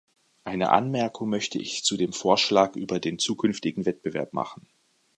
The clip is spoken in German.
Eine Anmerkung möchte ich zu dem Vorschlag über den zukünftigen Wettbewerb machen.